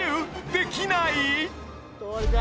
できない？